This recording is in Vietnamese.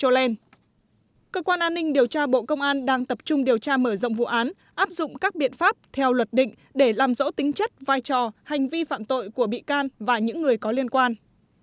trước đó liên quan vụ án cơ quan an ninh điều tra bộ công an đang tập trung điều tra mở rộng vụ án áp dụng các biện pháp theo luật định để làm rõ tính chất vai trò hành vi phạm tội của bị can và những người có liên quan